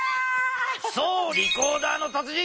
そうリコーダーのたつ人